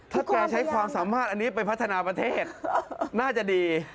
ถ้าแกใช้ความสามารถอันนี้ไปพัฒนาประเทศน่าจะดี